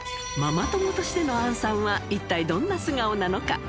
ママ友としての杏さんは一体どんな素顔なのか。